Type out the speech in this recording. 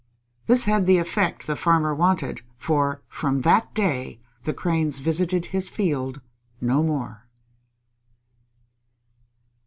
This had the effect the Farmer wanted, for from that day the Cranes visited his field no more.